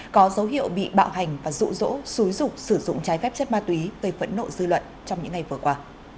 có dấu hiệu bị bạo hành và rụ rỗ xúi rục sử dụng trái phép chất ma túy gây phẫn nộ dư luận trong những ngày vừa qua